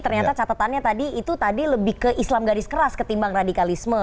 ternyata catatannya tadi itu tadi lebih ke islam gadis keras ketimbang radikalisme